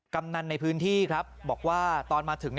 กำนันในพื้นที่ครับบอกว่าตอนมาถึง